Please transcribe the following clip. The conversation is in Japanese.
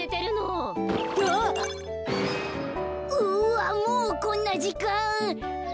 うわもうこんなじかん！